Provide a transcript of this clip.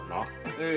ええ。